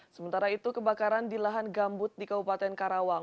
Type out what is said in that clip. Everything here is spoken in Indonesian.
sementara itu kebakaran di lahan gambut di kabupaten karawang